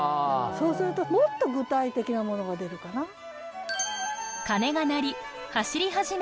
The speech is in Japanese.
そうするともっと具体的なものが出るかな。